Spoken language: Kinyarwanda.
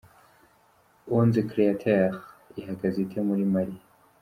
Onze Créateurs ihagaze ite muri Mali?.